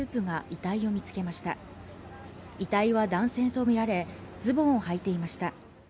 遺体は男性とみられ、ズボンを履いていました。